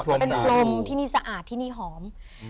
เป็นกลมที่นี่สะอาดที่นี่หอม